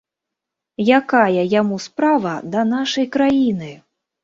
Якая яму справа да нашай краіны?